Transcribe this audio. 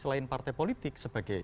selain partai politik sebagai